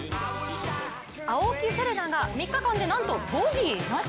青木瀬令奈が３日間でなんとボギーなし。